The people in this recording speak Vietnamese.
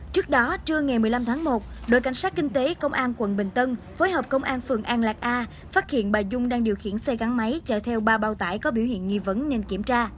trước đó trưa ngày một mươi năm tháng một đội cảnh sát kinh tế công an quận bình tân phối hợp công an phường an lạc a phát hiện bà dung đang điều khiển xe gắn máy chở theo ba bao tải có biểu hiện nghi vấn nên kiểm tra